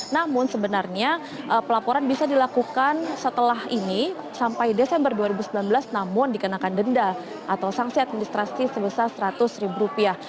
namun sebenarnya pelaporan bisa dilakukan setelah ini sampai desember dua ribu sembilan belas namun dikenakan denda atau sanksi administrasi sebesar seratus ribu rupiah